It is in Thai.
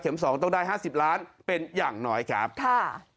สองต้องได้๕๐ล้านเป็นอย่างน้อยครับค่ะ